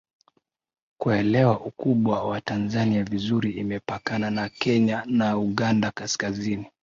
Kuelewa ukubwa wa Tanzania vizuri imepakana na Kenya na Uganda Kaskazini